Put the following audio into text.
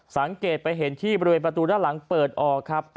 สังเกตไปเห็นที่บริเวณประตูด้านหลังเปิดออกครับ